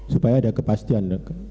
supaya ada kepastian